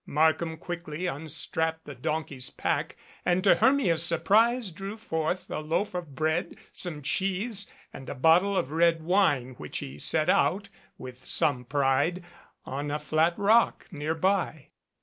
Markham quickly un strapped the donkey's pack and to Hermia's surprise drew forth a loaf of bread, some cheese and a bottle of red wine which he set out with some pride on a flat rock near by.